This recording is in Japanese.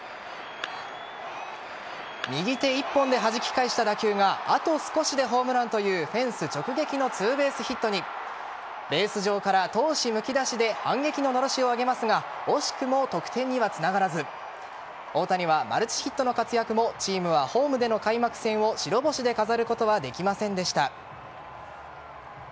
右手１本ではじき返した打球があと少しでホームランというフェンス直撃のツーベースヒットにベース上から闘志むき出しで反撃ののろしを上げますが惜しくも得点にはつながらず大谷はマルチヒットの活躍もチームはホームでの開幕戦を白星で飾ることはできませんでした。